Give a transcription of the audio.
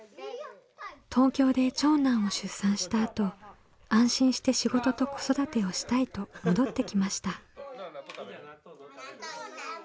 東京で長男を出産したあと安心して仕事と子育てをしたいと戻ってきました。